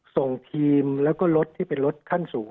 ส่งทีมแล้วก็รถที่เป็นรถขั้นสูง